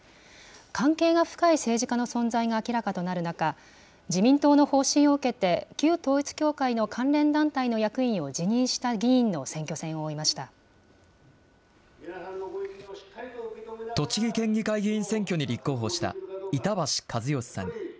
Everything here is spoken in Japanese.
関係が深い政治家の存在が明らかとなる中、自民党の方針を受けて、旧統一教会の関連団体の役員を辞栃木県議会議員選挙に立候補した、板橋一好さん。